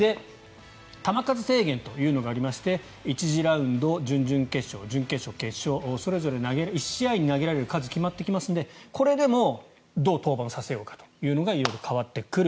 球数制限というのがありまして１次ラウンド準々決勝、準決勝、決勝それぞれ１試合に投げられる数が決まってきますのでこれでもどう登板させようかというのが色々変わってくる。